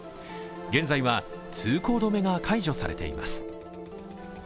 現在は通行止めが解除されています。